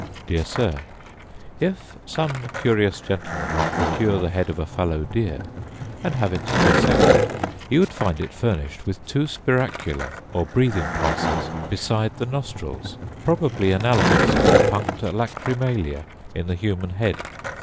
Dear Sir, If some curious gentleman would procure the head of a fallow deer, and have it dissected, he would find it furnished with two spiracula, or breathing places, beside the nostrils; probably analogous to the puncta lachrymalia in the human head.